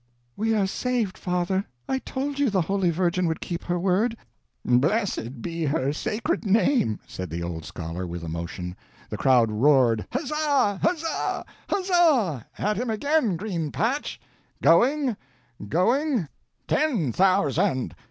"We are saved, father! I told you the Holy Virgin would keep her word!" "Blessed be her sacred name!" said the old scholar, with emotion. The crowd roared, "Huzza, huzza, huzza at him again, Green patch!" "Going going " "TEN thousand!"